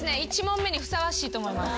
１問目にふさわしいと思います。